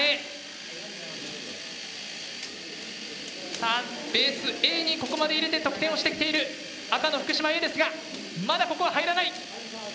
さあベースＡにここまで入れて得点をしてきている赤の福島Ａですがまだここは入らない。